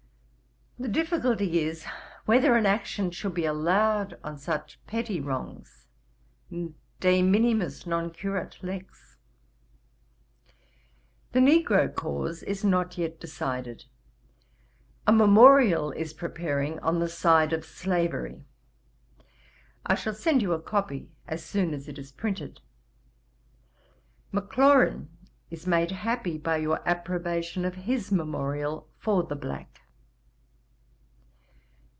The difficulty is, whether an action should be allowed on such petty wrongs. De minimis non curat lex. 'The Negro cause is not yet decided. A memorial is preparing on the side of slavery. I shall send you a copy as soon as it is printed. Maclaurin is made happy by your approbation of his memorial for the black.